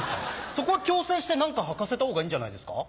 そこは強制して何かはかせた方がいいんじゃないですか？